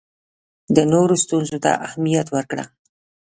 د نورو ستونزو ته اهمیت ورکړه.